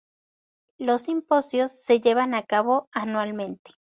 Los simposios se llevan a cabo anualmente.